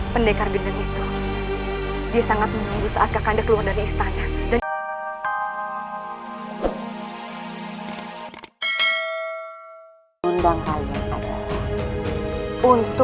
pendekar bintang itu